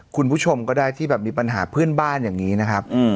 คุณผู้ชมก็ได้ที่แบบมีปัญหาเพื่อนบ้านอย่างนี้นะครับ